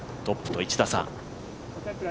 トップと１打差。